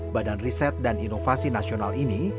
badan riset dan inovasi nasional ini